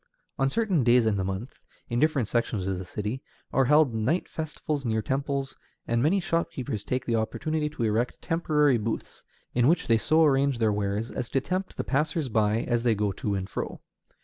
On certain days in the month, in different sections of the city, are held night festivals near temples, and many shopkeepers take the opportunity to erect temporary booths, in which they so arrange their wares as to tempt the passers by as they go to and fro.